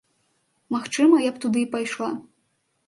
Магчыма, я б туды і пайшла.